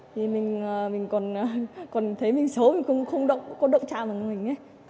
thì mình còn thấy mình xấu mình cũng không động có động trạng bằng mình ấy